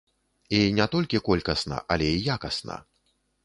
І не толькі колькасна, але і якасна.